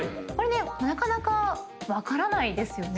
なかなか分からないですよね。